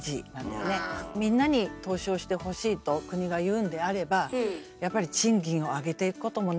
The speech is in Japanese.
みんなに投資をしてほしいと国が言うんであればやっぱり賃金を上げていくこともね